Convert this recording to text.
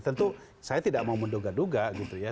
tentu saya tidak mau menduga duga